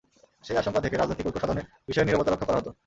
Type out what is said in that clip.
সেই আশঙ্কা থেকে রাজনৈতিক ঐক্য সাধনের বিষয়ে নীরবতা রক্ষা করা হতো।